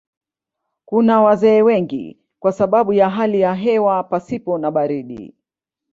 Kuna wazee wengi kwa sababu ya hali ya hewa pasipo na baridi.